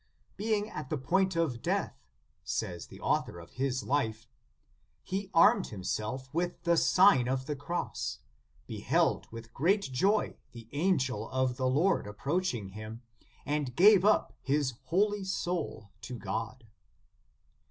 " Being at the point of death," says the author of his life, " he armed himself with the Sign of the Cross ; beheld with great joy the angel of the Lord approaching him, and gave up his holy soul to God."